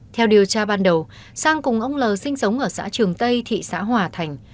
theo điều tra ban đầu sang cùng ông l sinh sống ở xã trường tây thị xã hòa thành